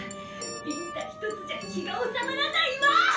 ビンタ１つじゃ気がおさまらないわ！